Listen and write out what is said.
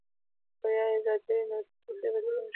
او يا ئې زياتوي نو ټوخی به څنګ ښۀ شي -